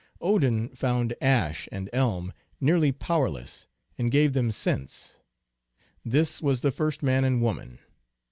Odin found Ash and Elm " nearly powerless," and gave them sense. This was the first man and woman.